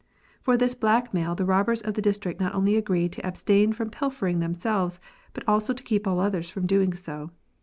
For this black mail the robbers of the district not only agree to abstain from pilfering themselves, but also to keep all others from doincr so too.